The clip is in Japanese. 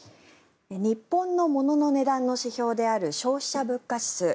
日本の物の値段の指標である消費者物価指数